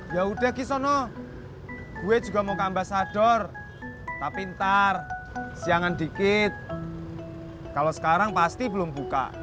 ya udah gisono gue juga mau ke ambasador tapi ntar siangan dikit kalau sekarang pasti belum buka